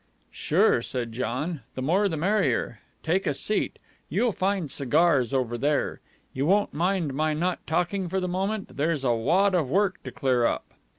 "Sure!" said John. "The more the merrier. Take a seat. You'll find cigars over there. You won't mind my not talking for the moment? There's a wad of work to clear up."